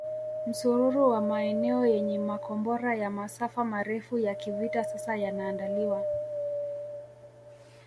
Msururu wa maeneo yenye makombora ya masafa marefu ya kivita sasa yanaandaliwa